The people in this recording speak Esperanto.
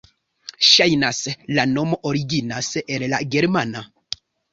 Ŝajnas, la nomo originas el la germana.